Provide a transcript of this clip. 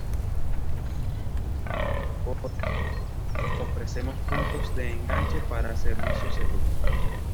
Por último, ofrece puntos de enganche para servicios seguros.